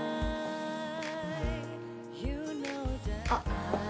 あっ。